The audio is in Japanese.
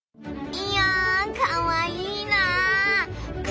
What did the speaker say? いやかわいいな！